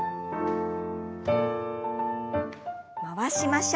回しましょう。